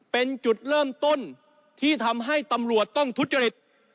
เป็นจุดเริ่มต้นที่ทำให้ตำรวจต้องทุจริต